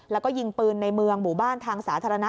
แล้วก็ยิงปืนในเมืองหมู่บ้านทางสาธารณะ